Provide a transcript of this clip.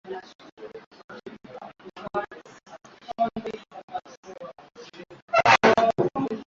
Leo ni siku ya kuwajibikia wito